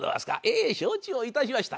ええ承知をいたしました。